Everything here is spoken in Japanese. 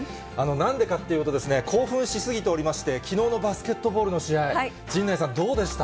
なんでかっていうとですね、興奮し過ぎておりまして、きのうのバスケットボールの試合、陣内さん、どうでした？